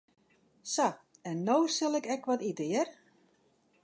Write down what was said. Sa, en no sil ik ek wat ite, hear.